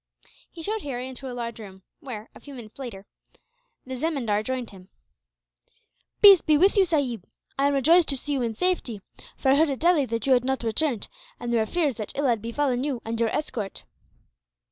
He showed Harry into a large room where, a few minutes later, the zemindar joined him. "Peace be with you, sahib! I am rejoiced to see you in safety; for I heard, at Delhi, that you had not returned, and there were fears that ill had befallen you and your escort."